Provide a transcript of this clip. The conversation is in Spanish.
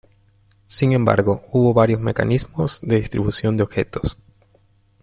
Sin embargo, hubo varios mecanismos de distribución de objetos.